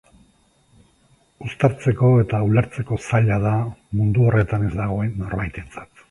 Uztartzeko eta ulertzeko zaila da mundu horretan ez dagoen norbaitentzat.